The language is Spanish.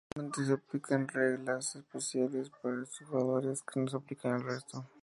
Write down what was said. Usualmente se aplican reglas especiales para estos jugadores que no se aplican al resto.